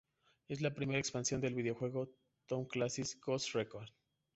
Es la primera expansión del videojuego "Tom Clancy's Ghost Recon".